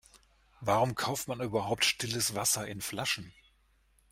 Warum kauft man überhaupt stilles Wasser in Flaschen?